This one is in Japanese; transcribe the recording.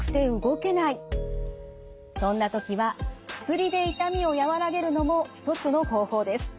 そんな時は薬で痛みを和らげるのも一つの方法です。